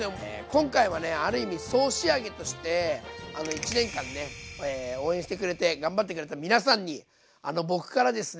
今回はねある意味総仕上げとして１年間ね応援してくれて頑張ってくれた皆さんに僕からですね